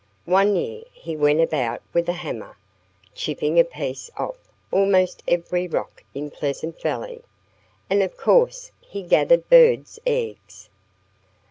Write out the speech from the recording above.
One year he went about with a hammer, chipping a piece off almost every rock in Pleasant Valley. And of course he gathered birds' eggs.